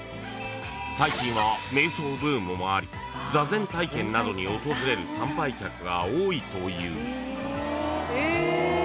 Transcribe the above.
［最近は瞑想ブームもあり坐禅体験などに訪れる参拝客が多いという］ほう。